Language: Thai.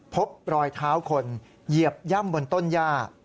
พบรอยเท้าคนเหยียบย่ำบนต้นย่า